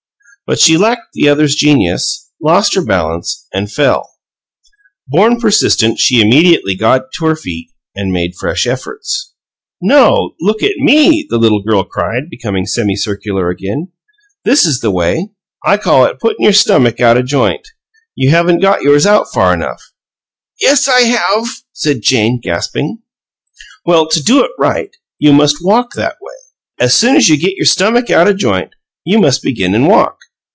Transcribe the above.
But she lacked the other's genius, lost her balance, and fell. Born persistent, she immediately got to her feet and made fresh efforts. "No! Look at ME!" the little girl cried, becoming semicircular again. "This is the way. I call it 'puttin' your stummick out o' joint.' You haven't got yours out far enough." "Yes, I have," said Jane, gasping. "Well, to do it right, you must WALK that way. As soon as you get your stummick out o' joint, you must begin an' walk.